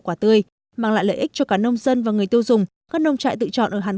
quả tươi mang lại lợi ích cho cả nông dân và người tiêu dùng các nông trại tự chọn ở hàn